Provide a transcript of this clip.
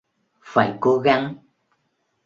phải cố gắng